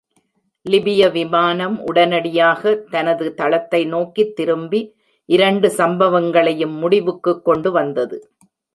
லிபிய விமானம் உடனடியாக தனது தளத்தைை நோக்கித் திரும்பி, இரண்டு சம்பவங்களையும் முடிவுக்குக் கொண்டு வந்தது.